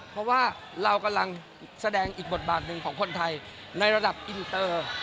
เพราะว่าเรากำลังแสดงอีกบทบาทหนึ่งของคนไทยในระดับอินเตอร์